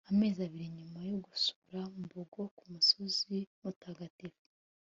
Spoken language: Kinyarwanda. amezi abiri nyuma yo gusura mboga kumusozi mutagatifu